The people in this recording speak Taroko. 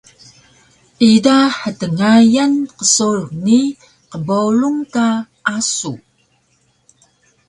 Ida htngayan qsurux ni qbowlung ka asu